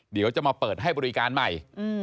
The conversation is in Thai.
เดี๋ยวจะมาเปิดให้บริการใหม่